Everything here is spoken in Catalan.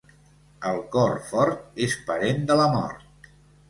El cor fort és parent de la mort.